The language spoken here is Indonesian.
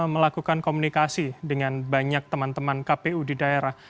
melakukan komunikasi dengan banyak teman teman kpu di daerah